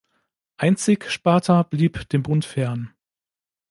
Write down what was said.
Einzig Sparta blieb dem Bund fern.